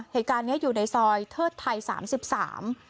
เหตุการณ์เนี้ยอยู่ในซอยเทิดไทยสามสิบสาม